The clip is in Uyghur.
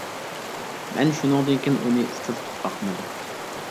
مەن شۇنىڭدىن كىيىن ئۇنى ئۇچرىتىپ باقمىدىم.